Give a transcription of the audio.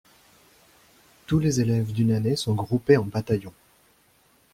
Tous les élèves d'une année sont groupés en bataillons.